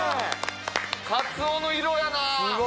カツオの色やな！